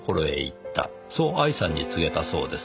そう愛さんに告げたそうです。